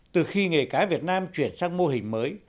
từ khi nghề cá việt nam chuyển sang mô hình mới